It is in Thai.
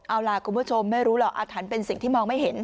เอาล่ะคุณผู้ชมไม่รู้หรอกอาถรรพ์เป็นสิ่งที่มองไม่เห็น